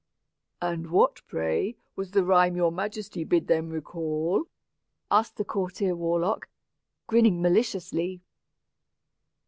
"And what, pray, was the rhyme your Majesty bid them recall?" asked the courtier warlock, grinning maliciously.